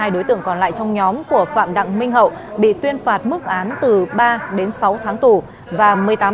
ba mươi hai đối tượng còn lại trong nhóm của phạm đăng minh hậu bị tuyên phạt mức án từ ba đến sáu tháng tù và một mươi tám tháng cải tạo